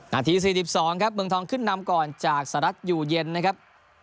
นาที๔๒ครับเมืองทองขึ้นนำก่อนจากสหรัฐอยู่เย็นนะครับ